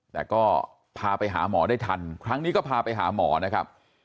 แต่ก็พาไปหาหมอได้ทันครั้งนี้ก็พาไปหาหมอนะครับ